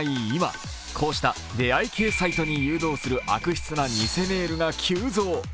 今こうした出会い系サイトに誘導する悪質な偽メールが急増。